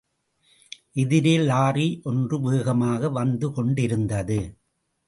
எதிரே லாரி ஒன்று வேகமாக வந்து கொண்டிருந்தது.